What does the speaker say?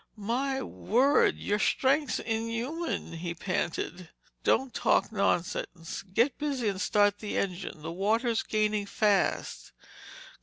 "My word—your strength's inhuman—" he panted. "Don't talk nonsense. Get busy and start the engine. The water's gaining fast."